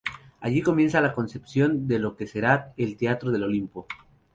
Allí comienza la concepción de lo que será el Teatro del Oprimido.